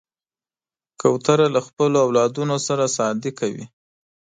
کوتره له خپلو اولادونو سره صادقه ده.